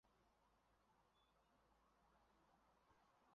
太史第遗址的历史年代为清代。